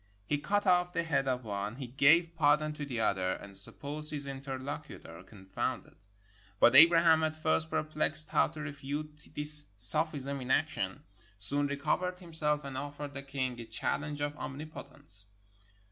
He cut off the head of one, he gave pardon to the other, and supposed his interlocutor confounded. But Abraham, at first perplexed how to refute this sophism in action, soon recovered himself and offered the king a challenge of omnipotence.